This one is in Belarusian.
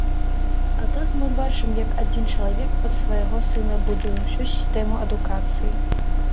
А так мы бачым, як адзін чалавек пад свайго сына будуе ўсю сістэму адукацыі.